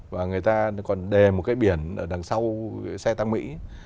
và người ta còn đề một cái biển ở đằng sau xe tăng mỹ